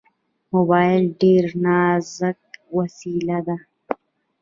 موبایل ډېر نازک وسیله ده.